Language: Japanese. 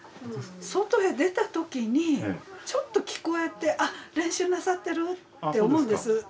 外へ出た時にちょっと聞こえて「あっ練習なさってるわ」って思うんです。